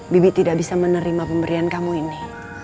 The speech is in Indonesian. bibi tidak bisa menerima pemberian kamu ini